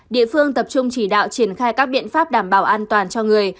địa phương tập trung chỉ đạo triển khai các biện pháp đảm bảo an toàn cho người